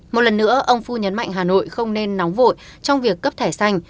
một lần nữa ông phu nhấn mạnh hà nội không nên nóng vội trong việc cấp thẻ xanh